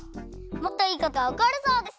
もっといいことがおこるそうです。